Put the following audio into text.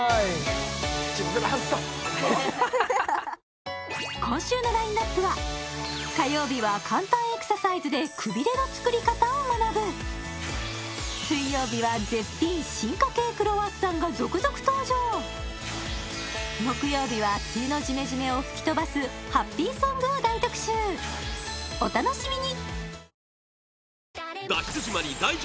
プチブラント火曜日は簡単エクササイズでくびれの作り方を学ぶ水曜日は絶品進化系クロワッサンが続々登場木曜日は梅雨のじめじめを吹き飛ばすハッピーソングを大特集お楽しみに！